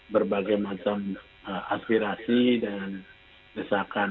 berbagai macam aspirasi dan desakan